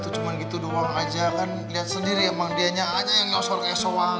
cuman gitu doang aja kan lihat sendiri emang dianya aja yang nyosor kayak sowang